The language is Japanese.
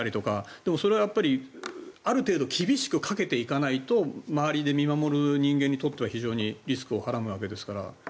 でもそれはやっぱり、ある程度厳しくかけていかないと周りで見守る人間にとっては非常にリスクをはらむわけですから。